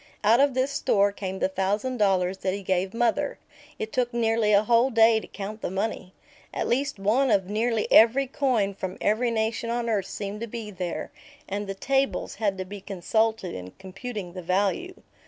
Out of this store came the thousand dollars that he gave mother. It took nearly a whole day to count the money. At least one of nearly every coin from every nation on earth seemed to be there, and the "tables" had to be consulted in computing the value.